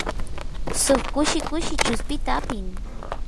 suk kushi kushi chuspita apin